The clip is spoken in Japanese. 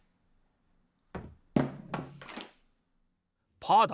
パーだ！